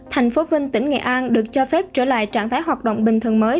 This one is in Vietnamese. thành phố vinh tỉnh nghệ an được cho phép trở lại trạng thái hoạt động bình thường mới